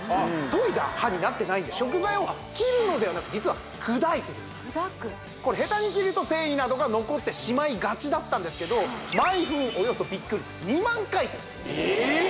研いだ刃になってないんで食材を切るのではなく実は砕いてるこれへたに切ると繊維などが残ってしまいがちだったんですが毎分およそビックリですえっ！？